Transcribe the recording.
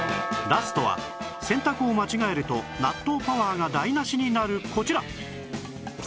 ラストは選択を間違えると納豆パワーが台無しになるこちら